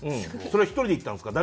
それは１人で行ったんですか？